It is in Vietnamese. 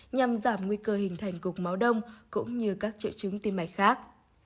nhằm giảm nguy cơ hình thành cục máu đông cũng như các triệu chứng tim mạch khác